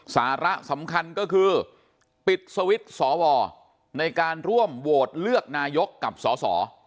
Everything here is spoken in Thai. สาระสำคัญก็คือปิดสวิตช์สวในการร่วมโหวตเลือกนายกกับสส